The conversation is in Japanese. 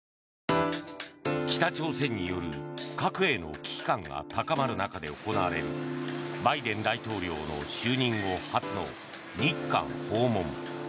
北朝鮮による、核への危機感が高まる中で行われるバイデン大統領の就任後初の日韓訪問。